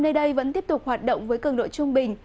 nơi đây vẫn tiếp tục hoạt động với cường độ trung bình